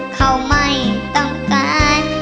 เขาไม่ต้องการ